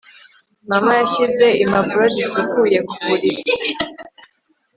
Mama yashyize impapuro zisukuye ku buriri